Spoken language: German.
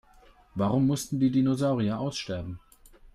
Warum mussten die Dinosaurier aussterben?